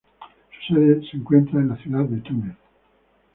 Su sede se encuentra en la ciudad de Túnez.